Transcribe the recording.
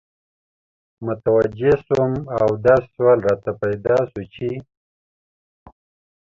متوجه سوم او دا سوال راته پیدا سو چی